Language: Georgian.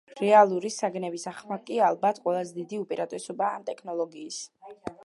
რეალური საგნების აღქმა კი ალბათ ყველაზე დიდი უპირატესობაა ამ ტექნოლოგიის.